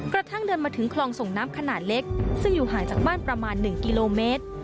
กระทั่งเดินมาถึงคลองส่งน้ำขนาดเล็กซึ่งอยู่ห่างจากบ้านประมาณ๑กิโลเมตร